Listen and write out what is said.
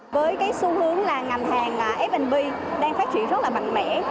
với cái xu hướng là ngành hàng f b đang phát triển rất là mạnh mẽ